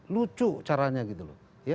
lucu caranya gitu loh